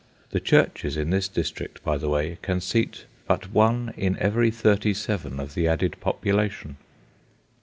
The churches in this district, by the way, can seat but one in every thirty seven of the added population.